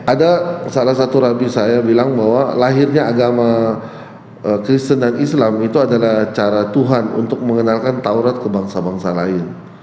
ada salah satu rabi saya bilang bahwa lahirnya agama kristen dan islam itu adalah cara tuhan untuk mengenalkan taurat ke bangsa bangsa lain